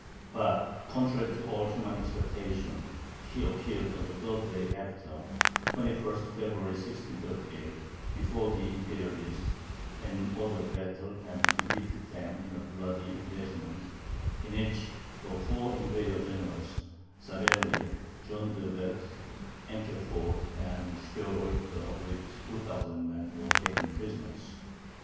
But, contrary to all human expectation, he appeared on the third day after, (21st February, 1638,) before the Imperialists, in order of battle, and defeated them in a bloody engagement, in which the four Imperial generals, Savelli, John De Werth, Enkeford, and Sperreuter, with 2000 men, were taken prisoners.